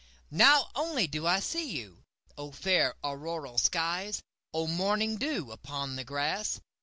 Now only do I know you!O fair auroral skies! O morning dew upon the grass!